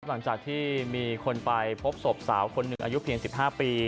หลังจากที่มีคนไปพบศพสาวคนหนึ่งอายุเพียง๑๕ปี